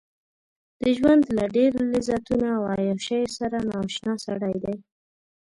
د ژوند له ډېرو لذتونو او عياشيو سره نااشنا سړی دی.